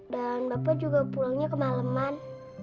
dan bapak juga pulangnya kemaleman